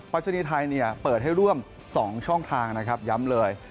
ปราชนีย์ไทยเปิดให้ร่วม๒ช่องทางย้ำเลย